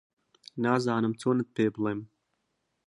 نازانم چۆنت پێ بڵێم